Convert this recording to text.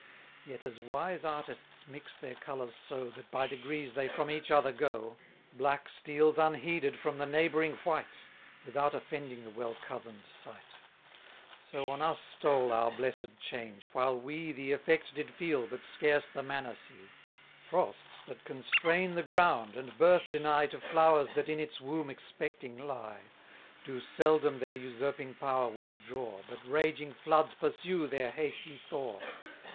Yet as wise artists mix their colours so, That by degrees they from each other go; Black steals unheeded from the neighbouring white, Without offending the well cozen'd sight: So on us stole our blessed change; while we The effect did feel, but scarce the manner see. 130 Frosts that constrain the ground, and birth deny To flowers that in its womb expecting lie, Do seldom their usurping power withdraw, But raging floods pursue their hasty thaw.